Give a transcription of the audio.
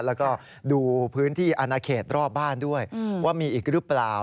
แล้วก็ดูพื้นที่อนาเขตรอบบ้านด้วยว่ามีอีกหรือเปล่า